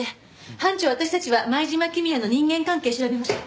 班長私たちは前島公也の人間関係調べましょう。